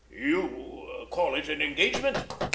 you call it an engagement.